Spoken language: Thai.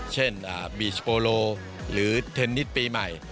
เช่นบีชโปโลหรือเทนนิสปีใหม่